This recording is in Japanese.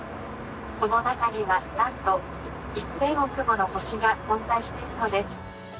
この中にはなんと一千億もの星が存在しているのです。